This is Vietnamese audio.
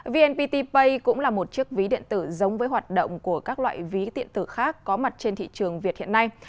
vnpt pay cũng là một chiếc ví điện tử giống với hoạt động của các loại ví tiện tử khác có mặt trên thị trường việt hiện nay